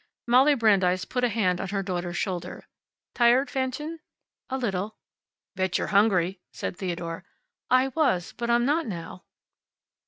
Molly Brandeis put a hand on her daughter's shoulder. "Tired, Fanchen?" "A little." "Bet you're hungry!" from Theodore. "I was, but I'm not now."